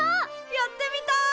やってみたい！